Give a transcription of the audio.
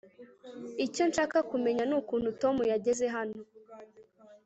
icyo nshaka kumenya nukuntu tom yageze hano